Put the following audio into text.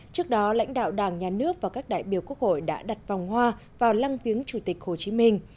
trước đó lãnh đạo đảng nhà nước và các đại biểu quốc hội đã đặt vòng hoa vào lăng viếng chủ tịch hồ chí minh